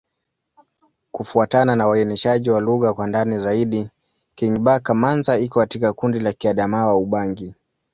Kufuatana na uainishaji wa lugha kwa ndani zaidi, Kingbaka-Manza iko katika kundi la Kiadamawa-Ubangi.